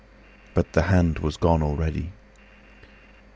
But the hand was gone already.